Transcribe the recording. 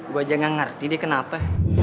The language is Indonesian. gue aja gak ngerti dia kenapa